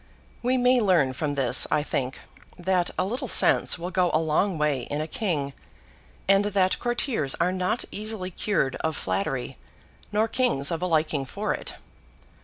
We may learn from this, I think, that a little sense will go a long way in a king; and that courtiers are not easily cured of flattery, nor kings of a liking for it.